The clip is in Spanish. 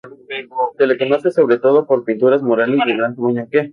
Se le conoce sobre todo por pinturas murales de gran tamaño.